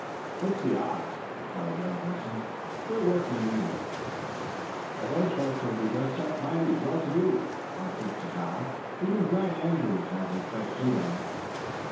"What's the odds?" replied young Benson. "We're workmen, anyway." "But most folks will be dressed up mighty well to day," objected Hal. "Even Grant Andrews has his best suit on."